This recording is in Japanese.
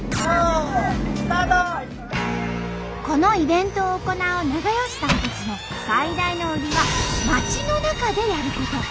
このイベントを行う永芳さんたちの最大の売りは街の中でやること。